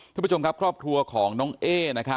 ท่านผู้ชมครับครอบครัวของน้องเอ๊